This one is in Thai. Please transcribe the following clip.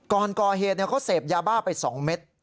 ก่อนก่อเหตุเขาเสพยาบ้าไป๒เม็ด